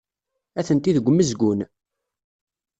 Atenti deg umezgun.